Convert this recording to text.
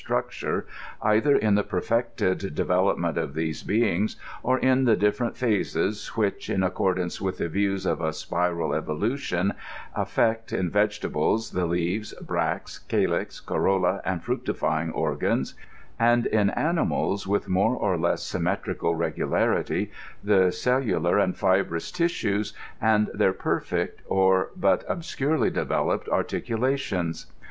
structure, either in the perfected development of these beings, or in the different phases which, in accordance with the views of a spiral evolution, afiect in vegetables the leaves, bracts, calyx, corolla, and fructifying organs ; and in animals, with more or less symmetrical regularity, the cellular and fibrous tissues, and their perfect or but obscurely developed articula tions.